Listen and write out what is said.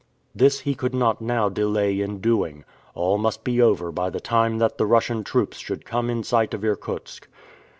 This he could not now delay in doing. All must be over by the time that the Russian troops should come in sight of Irkutsk.